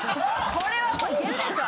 これはもういけるでしょ。